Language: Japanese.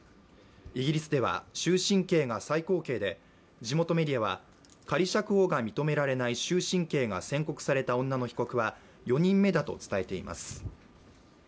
イギリスでは終身刑が最高刑で地元メディアは、仮釈放が認められない終身刑が宣告された女の被告は４人目だと伝えています。